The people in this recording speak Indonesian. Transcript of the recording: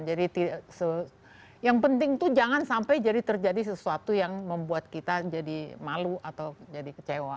jadi yang penting tuh jangan sampai jadi terjadi sesuatu yang membuat kita jadi malu atau jadi kecewa